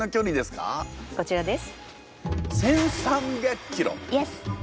こちらです。